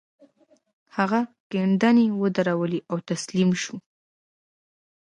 هغه کيندنې ودرولې او تسليم شو.